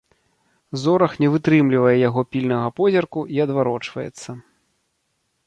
Зорах не вытрымлівае яго пільнага позірку і адварочваецца.